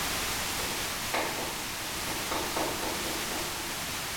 Mkwawa alikuwa tayari kufanya mazungumzo na Wajerumani